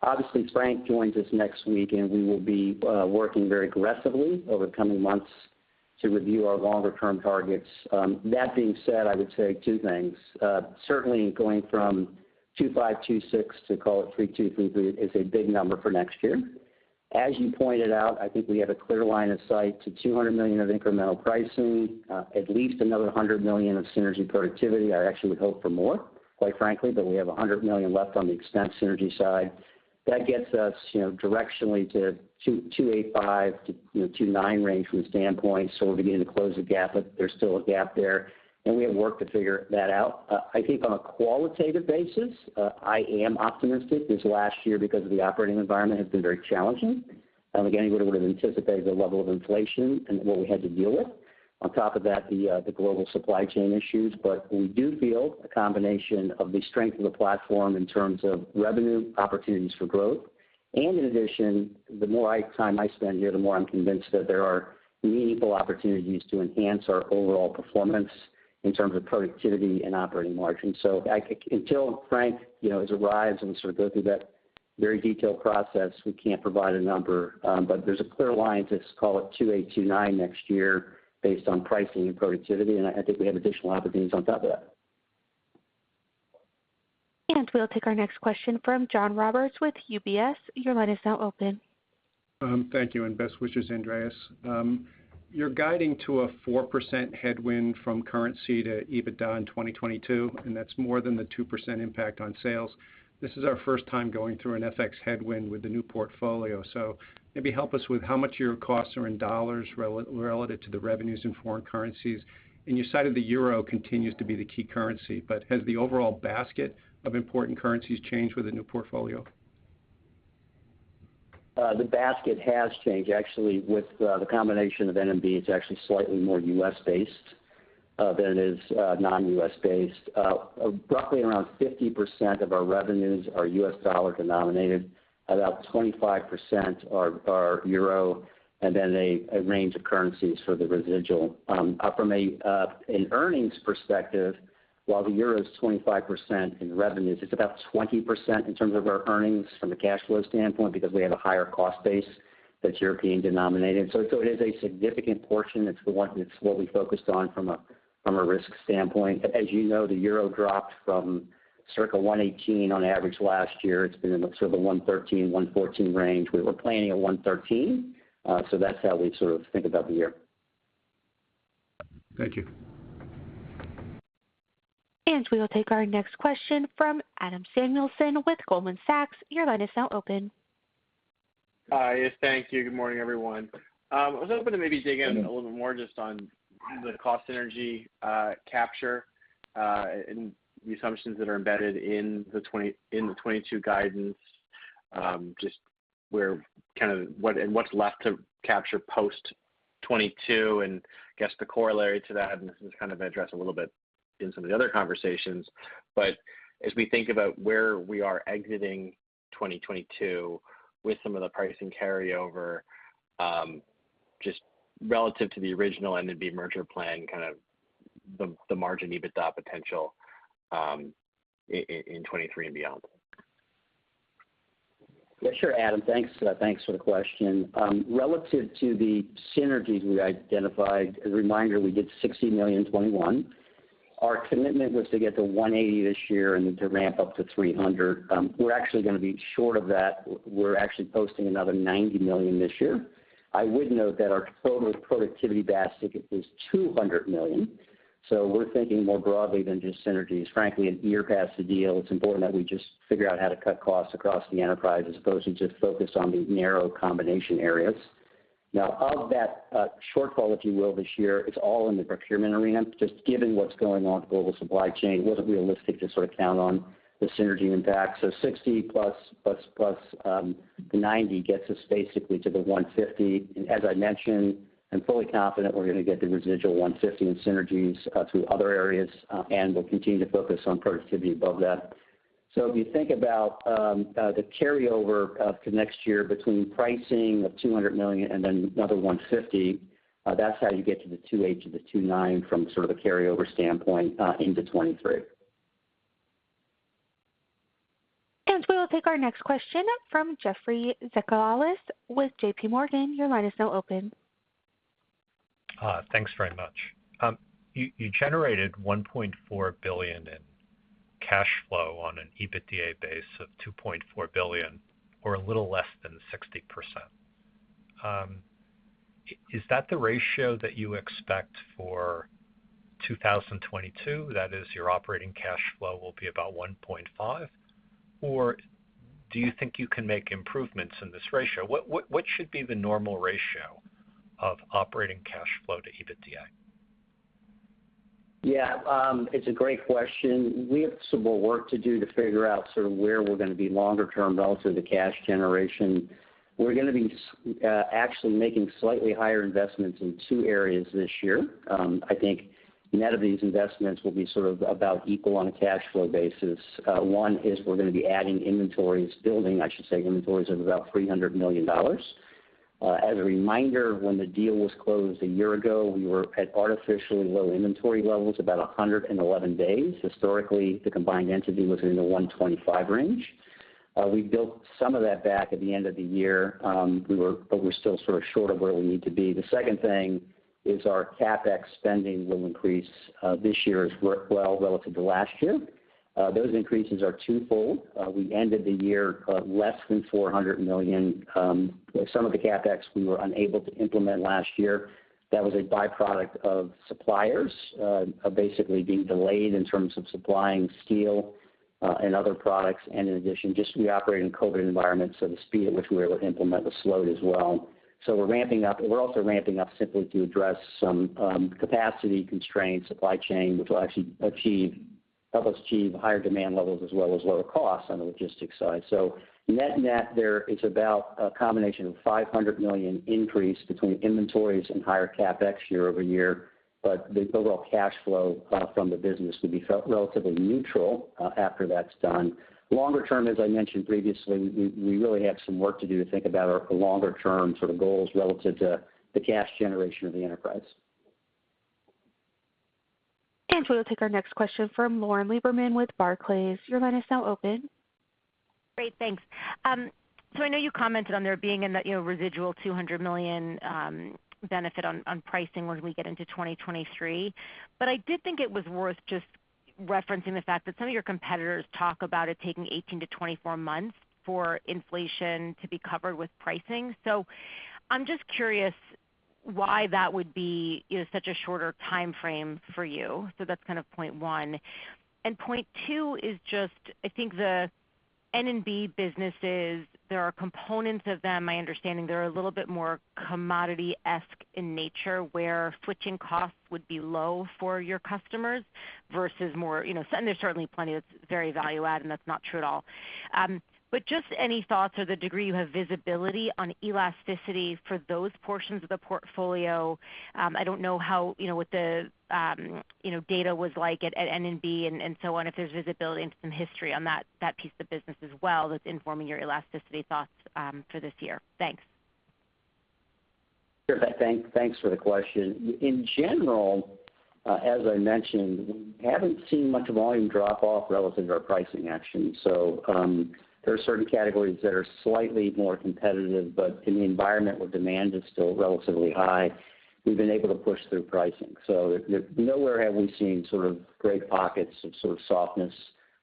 D: Obviously, Frank joins us next week, and we will be working very aggressively over the coming months to review our longer term targets. That being said, I would say two things. Certainly going from $25-$26 to call it $32-$33 billion is a big number for next year. As you pointed out, I think we have a clear line of sight to $200 million of incremental pricing, at least another $100 million of synergy productivity. I actually would hope for more, quite frankly, but we have $100 million left on the expense synergy side. That gets us, you know, directionally to $228.5-$229 million range from standpoint. We're beginning to close the gap, but there's still a gap there, and we have work to figure that out. I think on a qualitative basis, I am optimistic. This last year because of the operating environment has been very challenging. I don't think anybody would've anticipated the level of inflation and what we had to deal with. On top of that, the global supply chain issues. We do feel a combination of the strength of the platform in terms of revenue, opportunities for growth. In addition, the more time I spend here, the more I'm convinced that there are meaningful opportunities to enhance our overall performance in terms of productivity and operating margins. Until Frank, you know, has arrived and we sort of go through that very detailed process, we can't provide a number. There's a clear line to call it 28-29 next year based on pricing and productivity, and I think we have additional opportunities on top of that.
A: We'll take our next question from John Roberts with UBS. Your line is now open.
H: Thank you and best wishes, Andreas. You're guiding to a 4% headwind from currency to EBITDA in 2022, and that's more than the 2% impact on sales. This is our first time going through an FX headwind with the new portfolio. Maybe help us with how much your costs are in dollars relative to the revenues in foreign currencies. You cited the euro continues to be the key currency, but has the overall basket of important currencies changed with the new portfolio?
D: The basket has changed actually with the combination of N&B. It's actually slightly more U.S.-based than it is non-U.S. based. Roughly around 50% of our revenues are U.S. dollar denominated, about 25% are euro, and then a range of currencies for the residual. From an earnings perspective, while the euro is 25% in revenues, it's about 20% in terms of our earnings from a cash flow standpoint because we have a higher cost base that's European denominated. It is a significant portion. It's the one that's what we focused on from a risk standpoint. As you know, the euro dropped from circa 1.18 on average last year. It's been in sort of the 1.13-1.14 range. We were planning at 113, so that's how we sort of think about the year.
H: Thank you.
A: We will take our next question from Adam Samuelson with Goldman Sachs. Your line is now open.
I: Hi. Yes, thank you. Good morning, everyone. I was hoping to maybe dig in a little bit more just on the cost synergy capture and the assumptions that are embedded in the 2022 guidance, just where kind of and what's left to capture post 2022. I guess the corollary to that, and this was kind of addressed a little bit in some of the other conversations, but as we think about where we are exiting 2022 with some of the pricing carryover, just relative to the original N&B merger plan, kind of the margin EBITDA potential in 2023 and beyond.
D: Yeah, sure, Adam. Thanks. Thanks for the question. Relative to the synergies we identified, as a reminder, we did $60 million in 2021. Our commitment was to get to $180 this year and to ramp up to $300. We're actually gonna be short of that. We're actually posting another $90 million this year. I would note that our total productivity basket is $200 million. So we're thinking more broadly than just synergies. Frankly, a year past the deal, it's important that we just figure out how to cut costs across the enterprise as opposed to just focus on the narrow combination areas. Now of that, shortfall, if you will, this year, it's all in the procurement arena. Just given what's going on with global supply chain, it wasn't realistic to sort of count on the synergy impact. 60 plus the 90 gets us basically to the $150 million. I'm fully confident we're gonna get the residual $150 million in synergies through other areas, and we'll continue to focus on productivity above that. If you think about the carryover to next year between pricing of $200 million and then another $150 million, that's how you get to the $2.8 billion-$2.9 billion from sort of a carryover standpoint into 2023.
A: We will take our next question from Jeffrey Zekauskas with Morgan. JPMorgan.Your line is now open.
J: Thanks very much. You generated $1.4 billion in cash flow on an EBITDA base of $2.4 billion or a little less than 60%. Is that the ratio that you expect for 2022? That is your operating cash flow will be about $1.5 billion, or do you think you can make improvements in this ratio? What should be the normal ratio of operating cash flow to EBITDA?
D: It's a great question. We have some more work to do to figure out sort of where we're gonna be longer term relative to cash generation. We're gonna be actually making slightly higher investments in two areas this year. I think net of these investments will be sort of about equal on a cash flow basis. One is we're gonna be adding inventories, building, I should say, inventories of about $300 million. As a reminder, when the deal was closed a year ago, we were at artificially low inventory levels, about 111 days. Historically, the combined entity was in the 125 range. We built some of that back at the end of the year. But we're still sort of short of where we need to be. The second thing is our CapEx spending will increase this year relative to last year. Those increases are twofold. We ended the year less than $400 million. Some of the CapEx we were unable to implement last year. That was a byproduct of suppliers basically being delayed in terms of supplying steel and other products. In addition, we operate in a COVID environment, so the speed at which we were able to implement was slowed as well. We're ramping up. We're also ramping up simply to address some capacity constraints, supply chain, which will help us achieve higher demand levels as well as lower costs on the logistics side. Net-net there, it's about a combination of $500 million increase between inventories and higher CapEx year-over-year. The overall cash flow from the business would be felt relatively neutral after that's done. Longer term, as I mentioned previously, we really have some work to do to think about our longer-term sort of goals relative to the cash generation of the enterprise.
A: We will take our next question from Lauren Lieberman with Barclays. Your line is now open.
K: Great. Thanks. I know you commented on there being in that, you know, residual $200 million benefit on pricing when we get into 2023. I did think it was worth just referencing the fact that some of your competitors talk about it taking 18 to 24 months for inflation to be covered with pricing. I'm just curious why that would be, you know, such a shorter timeframe for you. That's kind of point one. Point two is just, I think the N&B businesses, there are components of them, my understanding, that are a little bit more commodity-esque in nature, where switching costs would be low for your customers versus more, you know, and there's certainly plenty that's very value add, and that's not true at all. Just any thoughts or the degree you have visibility on elasticity for those portions of the portfolio. I don't know how, you know, what the data was like at N&B and so on, if there's visibility into some history on that piece of the business as well that's informing your elasticity thoughts for this year. Thanks.
D: Sure. Thanks for the question. In general, as I mentioned, we haven't seen much volume drop off relative to our pricing actions. There are certain categories that are slightly more competitive, but in the environment where demand is still relatively high, we've been able to push through pricing. Nowhere have we seen sort of great pockets of sort of softness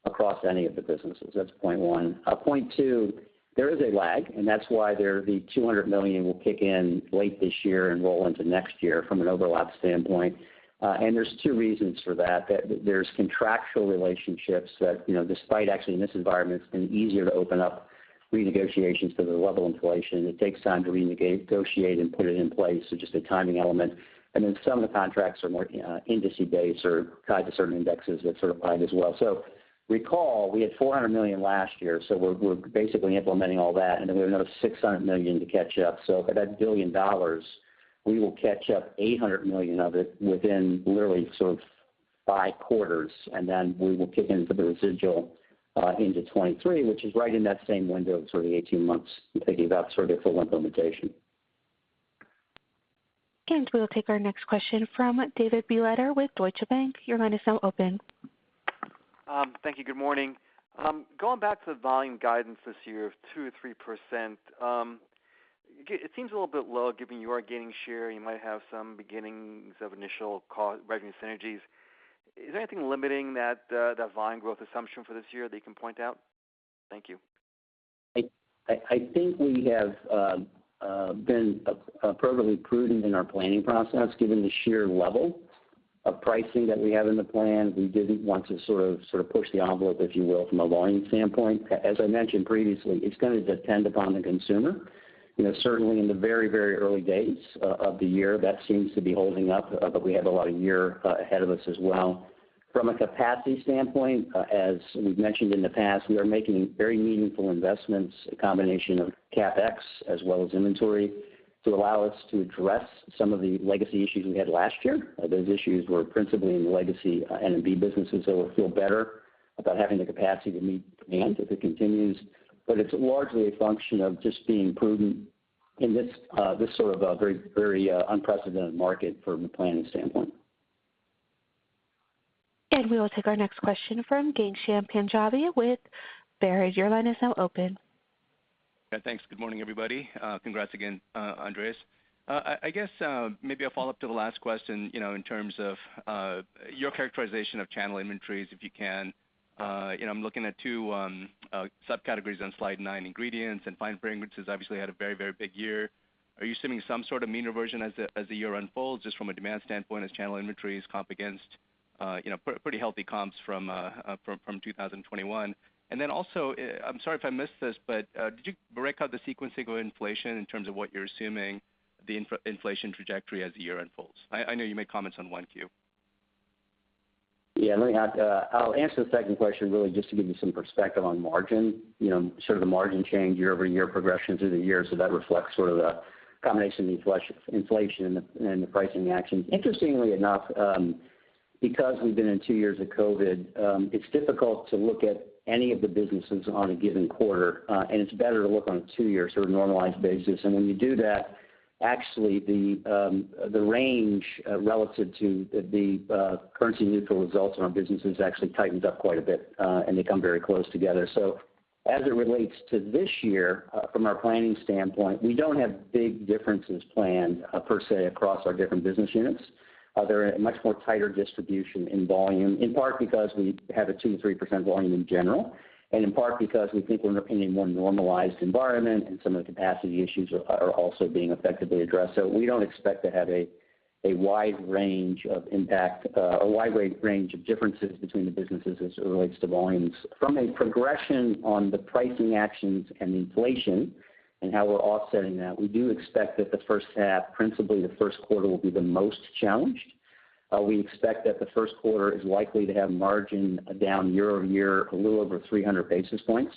D: across any of the businesses. That's point one. Point two, there is a lag, and that's why the $200 million will kick in late this year and roll into next year from an overlap standpoint. There's two reasons for that. There's contractual relationships that, you know, despite actually in this environment, it's been easier to open up renegotiations for the level of inflation. It takes time to renegotiate and put it in place, so just a timing element. Some of the contracts are more industry-based or tied to certain indexes that sort of bind as well. Recall, we had $400 million last year, so we're basically implementing all that, and then we have another $600 million to catch up. For that $1 billion, we will catch up $800 million of it within literally sort of 5 quarters, and then we will kick into the residual into 2023, which is right in that same window of sort of 18 months, thinking about sort of full implementation.
A: We will take our next question from David Begleiter with Deutsche Bank. Your line is now open.
L: Thank you. Good morning. Going back to the volume guidance this year of 2% to 3%, it seems a little bit low given you are gaining share. You might have some beginnings of initial cost and revenue synergies. Is there anything limiting that volume growth assumption for this year that you can point out? Thank you.
D: I think we have been appropriately prudent in our planning process, given the sheer level of pricing that we have in the plan. We didn't want to sort of push the envelope, if you will, from a volume standpoint. As I mentioned previously, it's gonna depend upon the consumer. You know, certainly in the very early days of the year, that seems to be holding up, but we have a lot of the year ahead of us as well. From a capacity standpoint, as we've mentioned in the past, we are making very meaningful investments, a combination of CapEx as well as inventory, to allow us to address some of the legacy issues we had last year. Those issues were principally in the legacy N&B businesses, so we'll feel better about having the capacity to meet demand if it continues. It's largely a function of just being prudent in this sort of very unprecedented market from a planning standpoint.
A: We will take our next question from Ghansham Panjabi with Baird. Your line is now open.
M: Yeah, thanks. Good morning, everybody. Congrats again, Andreas. I guess maybe a follow-up to the last question, you know, in terms of your characterization of channel inventories, if you can. You know, I'm looking at two subcategories on slide nine, Ingredients and Fine Fragrances obviously had a very, very big year. Are you assuming some sort of mean reversion as the year unfolds, just from a demand standpoint as channel inventories comp against, you know, pretty healthy comps from 2021? And then also, I'm sorry if I missed this, but did you break out the sequencing of inflation in terms of what you're assuming the inflation trajectory as the year unfolds? I know you made comments on Q1.
D: Yeah, let me add. I'll answer the second question really just to give you some perspective on margin, you know, sort of the margin change year-over-year progression through the year, so that reflects sort of the combination of inflation and the pricing action. Interestingly enough, because we've been in two years of COVID, it's difficult to look at any of the businesses on a given quarter, and it's better to look on a two-year sort of normalized basis. When you do that, actually, the range relative to the currency-neutral results in our business has actually tightened up quite a bit, and they come very close together. So as it relates to this year, from our planning standpoint, we don't have big differences planned per se across our different business units. They're a much more tighter distribution in volume, in part because we have a 2% to 3% volume in general, and in part because we think we're in a more normalized environment and some of the capacity issues are also being effectively addressed. We don't expect to have a wide range of impact, a wide range of differences between the businesses as it relates to volumes. From a progression on the pricing actions and inflation and how we're offsetting that, we do expect that the first half, principally the first quarter, will be the most challenged. We expect that the first quarter is likely to have margin down year-over-year a little over 300 basis points.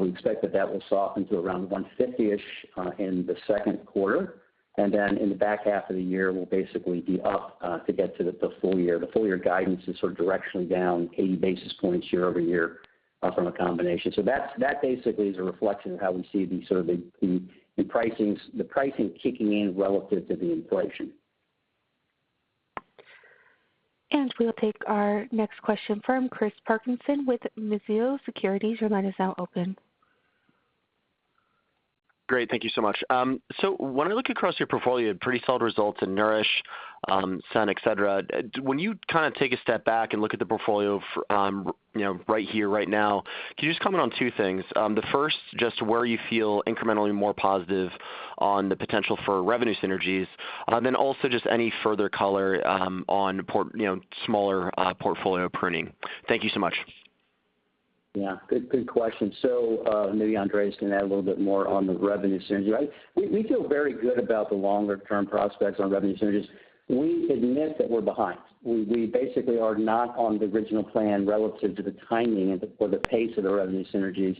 D: We expect that that will soften to around 150-ish in the second quarter. In the back half of the year will basically be up to get to the Full Year. The full-year guidance is sort of directionally down 80 basis points year-over-year from a combination. That basically is a reflection of how we see the pricing kicking in relative to the inflation.
A: We will take our next question from Christopher Parkinson with Mizuho Securities. Your line is now open.
N: Great. Thank you so much. When I look across your portfolio, pretty solid results in Nourish, Scent, et cetera. When you kinda take a step back and look at the portfolio, you know, right here, right now, can you just comment on two things? The first, just where you feel incrementally more positive on the potential for revenue synergies, then also just any further color, you know, on smaller portfolio pruning. Thank you so much.
D: Yeah, good question. Maybe Andreas can add a little bit more on the revenue synergy. We feel very good about the longer term prospects on revenue synergies. We admit that we're behind. We basically are not on the original plan relative to the timing or the pace of the revenue synergies.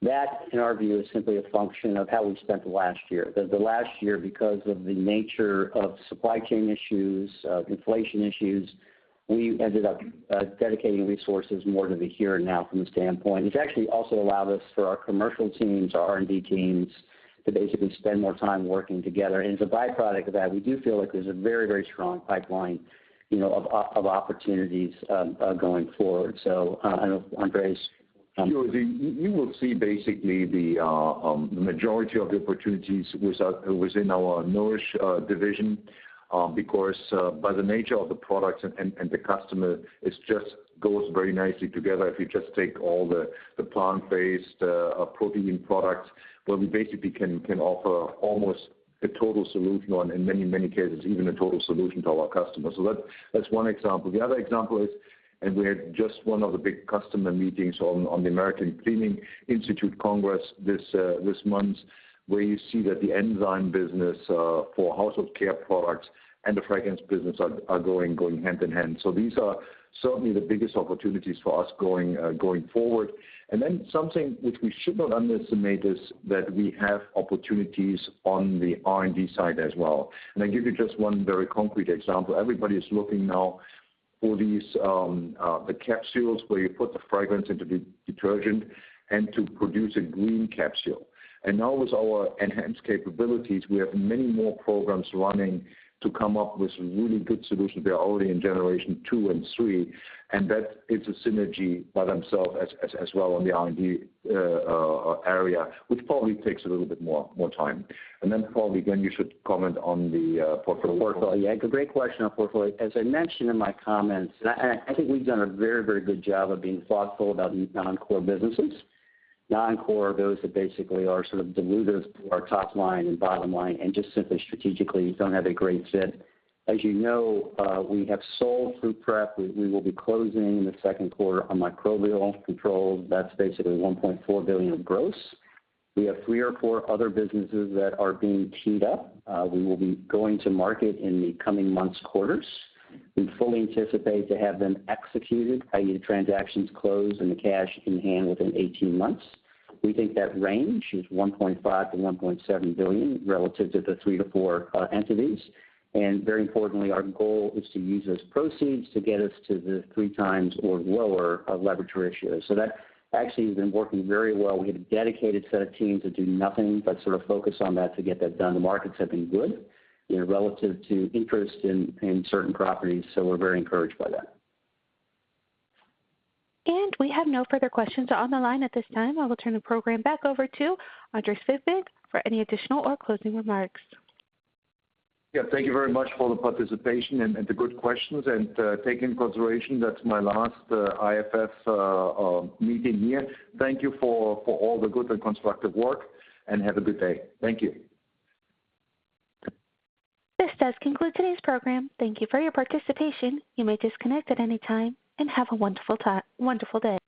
D: That, in our view, is simply a function of how we've spent the last year. The last year, because of the nature of supply chain issues, of inflation issues, we ended up dedicating resources more to the here and now from the standpoint. Which actually also allowed us for our commercial teams, our R&D teams, to basically spend more time working together. As a byproduct of that, we do feel like there's a very strong pipeline, you know, of opportunities going forward. I don't know if Andreas.
C: You will see basically the majority of the opportunities within our Nourish division because by the nature of the products and the customer, it just goes very nicely together. If you just take all the plant-based protein products, where we basically can offer almost a total solution or in many cases, even a total solution to our customers. That's one example. The other example is, we had just one of the big customer meetings on the American Cleaning Institute Congress this month, where you see that the enzyme business for household care products and the fragrance business are going hand in hand. These are certainly the biggest opportunities for us going forward. Then something which we should not underestimate is that we have opportunities on the R&D side as well. I give you just one very concrete example. Everybody is looking now for these capsules where you put the fragrance into the detergent and to produce a green capsule. Now with our enhanced capabilities, we have many more programs running to come up with really good solutions. We are already in generation two and three, and that is a synergy by themselves as well in the R&D area, which probably takes a little bit more time. Then Glenn, again, you should comment on the portfolio.
D: The portfolio. Yeah, great question on portfolio. As I mentioned in my comments, I think we've done a very, very good job of being thoughtful about these non-core businesses. Non-core are those that basically are sort of dilutive to our top line and bottom line and just simply strategically don't have a great fit. As you know, we have sold Fruit Prep. We will be closing in the second quarter on Microbial Control. That's basically $1.4 billion gross. We have three or four other businesses that are being teed up. We will be going to market in the coming months, quarters, and fully anticipate to have them executed, i.e., transactions closed and the cash in hand within 18 months. We think that range is $1.5 billion-$1.7 billion relative to the three to four entities. Very importantly, our goal is to use those proceeds to get us to the three times or lower leverage ratios. That actually has been working very well. We have a dedicated set of teams that do nothing but sort of focus on that to get that done. The markets have been good, you know, relative to interest in certain properties. We're very encouraged by that.
A: We have no further questions on the line at this time. I will turn the program back over to Andreas Fibig for any additional or closing remarks.
C: Yeah, thank you very much for the participation and the good questions and take in consideration that's my last IFF meeting here. Thank you for all the good and constructive work, and have a good day. Thank you.
A: This does conclude today's program. Thank you for your participation. You may disconnect at any time, and have a wonderful day.